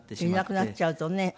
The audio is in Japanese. いなくなっちゃうとね。